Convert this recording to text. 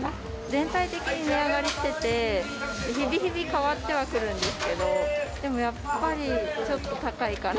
全体的に値上がりしてて、日々日々変わってはくるんですけど、でもやっぱり、ちょっと高いかな。